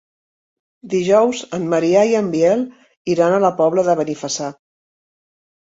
Dijous en Maria i en Biel iran a la Pobla de Benifassà.